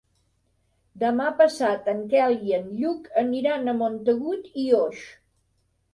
Demà passat en Quel i en Lluc aniran a Montagut i Oix.